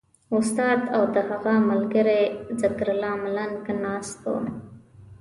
استاد او د هغه ملګری ذکرالله ملنګ ناست وو.